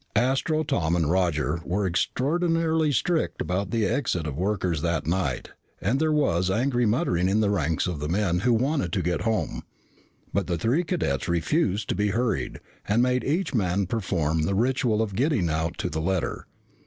Astro, Tom, and Roger were extraordinarily strict about the exit of the workers that night and there was angry muttering in the ranks of the men who wanted to get home. But the three cadets refused to be hurried and made each man perform the ritual of getting out to the letter.